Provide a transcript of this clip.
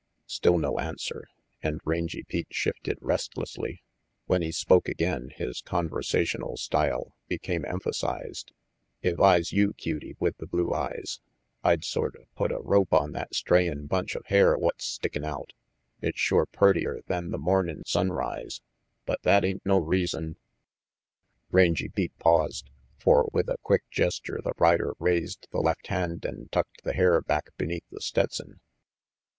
Still no answer, and Rangy Pete shifted restlessly. When he spoke again, his conversational style became emphasized. "If I's you, cutey with the blue eyes, I'd sorta put a rope on that strayin' bunch of hair what's stickin' out. It's sure purtier than the mornin' sunrise, but that ain't no reason " Rangy Pete paused, for with a quick gesture the rider raised the left hand and tucked the hair RANGY PETE 29 back beneath the Stetson.